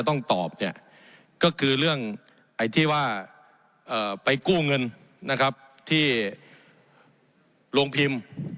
ต้องตอบเนี่ยก็คือเรื่องไอ้ที่ว่าไปกู้เงินนะครับที่โรงพิมพ์